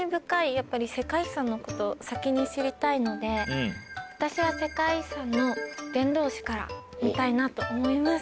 やっぱり世界遺産のこと先に知りたいので「私は世界遺産の伝道師」から見たいなと思います。